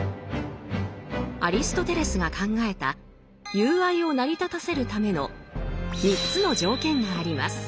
アリストテレスが考えた友愛を成り立たせるための３つの条件があります。